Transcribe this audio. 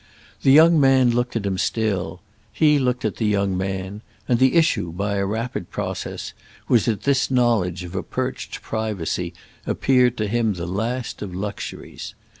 The young man looked at him still, he looked at the young man; and the issue, by a rapid process, was that this knowledge of a perched privacy appeared to him the last of luxuries.